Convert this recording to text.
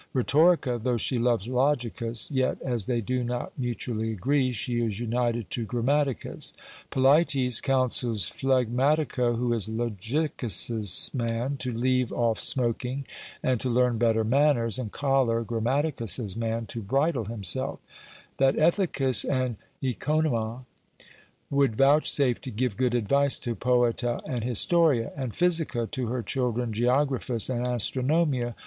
Rhetorica, though she loves Logicus, yet as they do not mutually agree, she is united to Grammaticus. Polites counsels Phlegmatico, who is Logicus's man, to leave off smoking, and to learn better manners; and Choler, Grammaticus's man, to bridle himself; that Ethicus and Oeconoma would vouchsafe to give good advice to Poeta and Historia; and Physica to her children Geographus and Astronomia!